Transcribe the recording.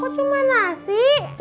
kok cuma nasi